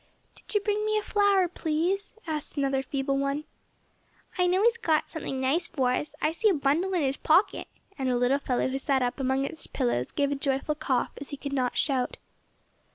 "Did you bring me a flower, please?" asked another feeble one. "I know he's got something nice for us, I see a bundle in his pocket," and a little fellow who sat up among his pillows gave a joyful cough as he could not shout.